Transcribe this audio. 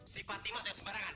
si fatima jangan sebarangan